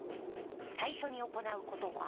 最初に行うことは？